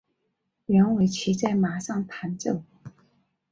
原为骑在马上弹奏。